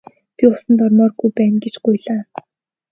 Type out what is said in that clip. Би усанд ормооргүй байна гэж гуйлаа.